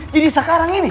jadi sekarang ini